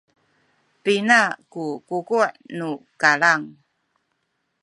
pina ku kuku’ nu kalang?